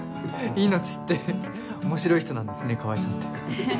命って面白い人なんですね川合さんって。